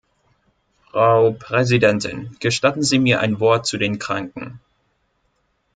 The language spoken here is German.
Frau Präsidentin, gestatten Sie mir ein Wort zu den Kranken.